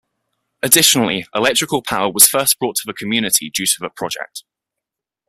Additionally, electrical power was first brought to the community due to the project.